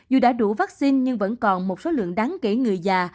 dù đã đủ vaccine nhưng vẫn còn một số lượng đáng kể người già